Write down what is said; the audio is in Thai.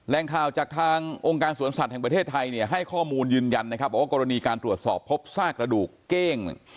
แรงข่าวจากทางองค์การสวนสัตว์แห่งประเทศไทยเนี่ยให้ข้อมูลยืนยันนะครับบอกว่ากรณีการตรวจสอบพบซากระดูกเก้ง